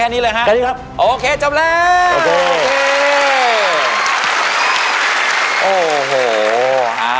เออโห